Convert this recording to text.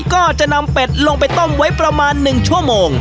ก็จะนำเป็ดลงไปต้มไว้ประมาณ๑ชั่วโมง